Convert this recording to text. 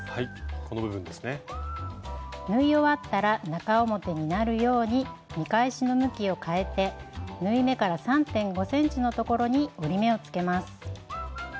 縫い終わったら中表になるように見返しの向きを変えて縫い目から３．５ｃｍのところに折り目をつけます。